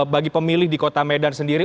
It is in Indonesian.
bagi pemilih di kota medan sendiri